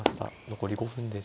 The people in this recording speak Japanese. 残り５分です。